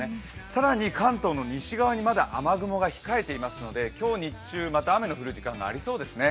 更に関東の西側にまだ雨雲が控えていますので今日、日中、また雨の降る時間がありそうですね。